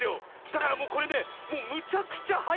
だからもうこれねもうむちゃくちゃはやる！